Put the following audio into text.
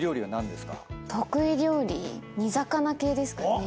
得意料理煮魚系ですかね。